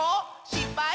しっぱい？